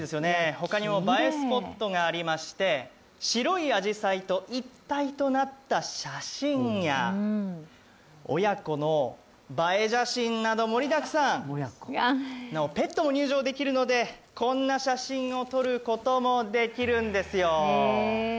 他にも映えスポットがありまして白いあじさいと一体となった写真や親子の映え写真など盛りだくさんペットも入場できるのでこんな写真を撮ることもできるんですよ。